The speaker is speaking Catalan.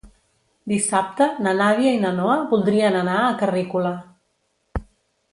Dissabte na Nàdia i na Noa voldrien anar a Carrícola.